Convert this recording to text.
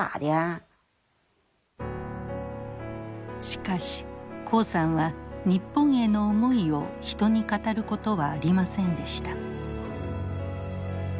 しかし黄さんは日本への思いを人に語ることはありませんでした。